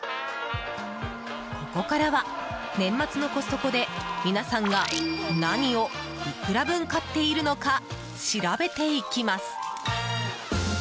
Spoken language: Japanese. ここからは年末のコストコで皆さんが何をいくら分買っているのか調べていきます。